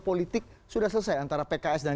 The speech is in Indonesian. politik sudah selesai antara pks dan